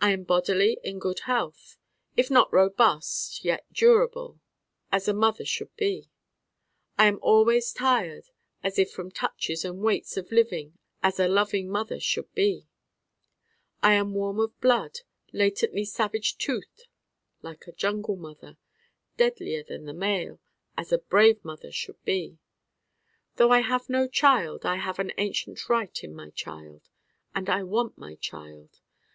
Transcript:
I am bodily in good health if not robust yet durable, as a mother should be: I am always tired as if from touches and weights of living as a loving mother should be: I am warm of blood, latently savage toothed like a jungle mother, deadlier than the male, as a brave mother should be. Though I have no child I have an ancient right in my Child, and I want my Child.